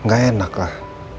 gak enak lah